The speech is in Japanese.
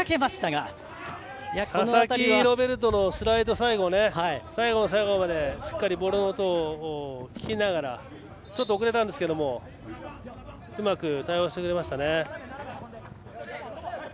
佐々木ロベルトのスライドが最後の最後までしっかりボールの音を聞きながらちょっと遅れたんですけどうまく対応してくれました。